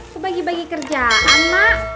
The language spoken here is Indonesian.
kok bagi bagi kerjaan mak